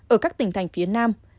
ở các tỉnh thành phía nam